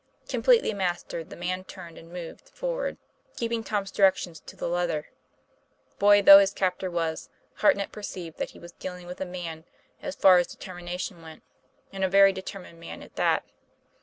Completely mastered, the man turned and movi 1 forward, keeping Tom's directions to the letter. Boy though his captor was, Hartnett perceived that he was dealing with a man, as far as determination went, and a very determined man at that.